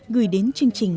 gửi đến chương trình